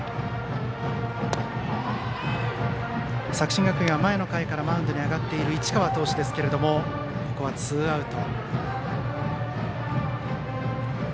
作新学院は前の回からマウンドに上がっている市川投手ですけどもここはツーアウト。